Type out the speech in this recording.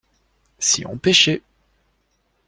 Si on pêchait.